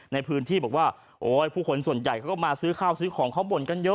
ในพื้นที่บอกว่าโอ๊ยผู้คนส่วนใหญ่เขาก็มาซื้อข้าวซื้อของเขาบ่นกันเยอะ